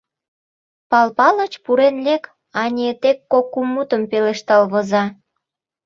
«Пал Палыч, пурен лек, — ане; тек кок-кум мутым пелештал воза.